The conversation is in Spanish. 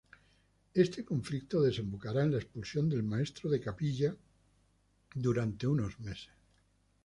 Este conflicto desembocará en la expulsión del maestro de capilla durante unos meses.